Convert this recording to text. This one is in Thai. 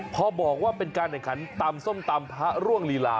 พอบอกว่าเป็นการแข่งขันตำส้มตำพระร่วงลีลา